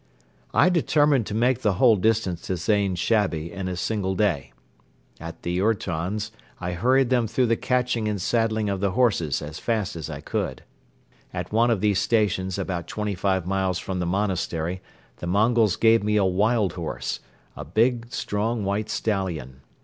I determined to make the whole distance to Zain Shabi in a single day. At the ourtons I hurried them through the catching and saddling of the horses as fast as I could. At one of these stations about twenty five miles from the monastery the Mongols gave me a wild horse, a big, strong white stallion.